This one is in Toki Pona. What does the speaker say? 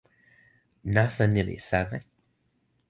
nasa ni li seme?